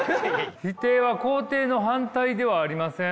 「否定は肯定の反対ではありません」。